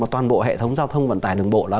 toàn bộ hệ thống giao thông vận tải đường bộ là